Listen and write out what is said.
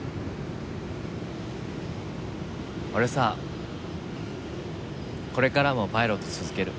俺さこれからもパイロット続ける。